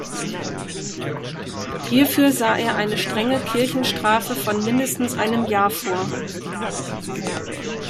Hierfür sah er eine strenge Kirchenstrafe von mindestens einem Jahr vor.